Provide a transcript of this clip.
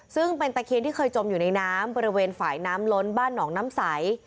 ซึ่งเป็นตะเคียนที่เคยจมอยู่ในน้ำบริเวณฝ่ายน้ำล้นบ้านหนองน้ำใส